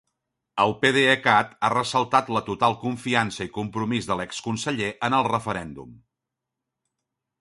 El PDECat ha ressaltat la total confiança i compromís de l'exconseller en el referèndum.